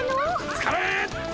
つかれん！